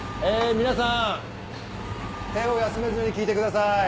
皆さん手を休めずに聞いてください。